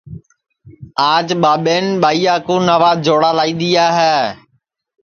آج ٻاٻین ٻائیا کُو نئوا چھوا لائی دؔیا ہے